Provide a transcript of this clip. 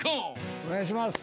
お願いします。